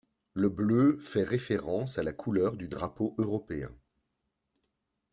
Le bleu fait référence à la couleur du drapeau européen.